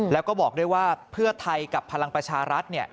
แล้วก็บอกด้วยว่าเพื่อไทยกับพลังประชารัฐ